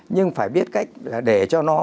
nhưng phải biết cách để cho nó